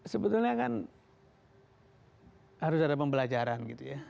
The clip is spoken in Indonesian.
sebetulnya kan harus ada pembelajaran gitu ya